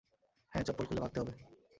হ্যাঁ, চপ্পল খুলে ভাগতে হবে।